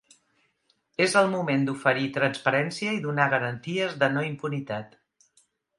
És el moment d’oferir transparència i donar garanties de no-impunitat.